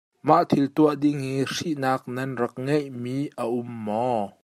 Mah thil tuah ding hi hrihnak nan rak ngeihmi a um maw?